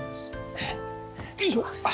よいしょ！